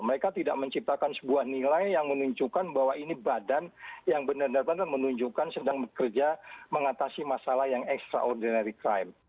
mereka tidak menciptakan sebuah nilai yang menunjukkan bahwa ini badan yang benar benar menunjukkan sedang bekerja mengatasi masalah yang extraordinary crime